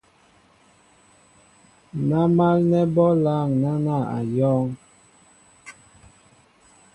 Ná málnɛ́ bɔ́ lâŋ náná , á yɔ̄ŋ.